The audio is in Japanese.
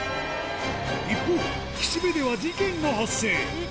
一方、岸辺では事件が発生。